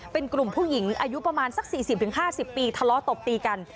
เป็นกลุ่มผู้หญิงอายุประมาณสัก๔๐๕๐ปีทะเลาะตบตีกัน